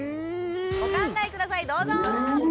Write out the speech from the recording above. お考え下さいどうぞ！